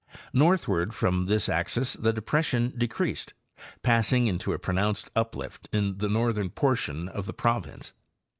Northward from this axis the depression decreased, passing into a pronounced uplift in the northern por tion of the province.